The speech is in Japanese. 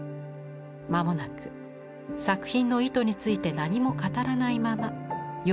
間もなく作品の意図について何も語らないまま世を去りました。